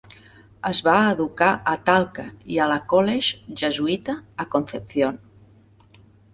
Es va educar a Talca i a la College jesuïta a Concepción.